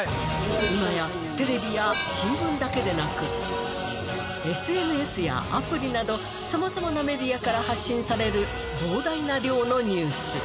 今やテレビや新聞だけでなくＳＮＳやアプリなどさまざまなメディアから発信される膨大な量のニュース